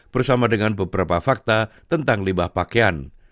bersama dengan beberapa fakta tentang limbah pakaian